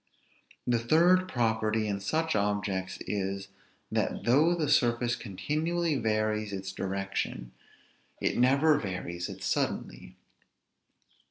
The third property in such objects is, that though the surface continually varies its direction, it never varies it suddenly.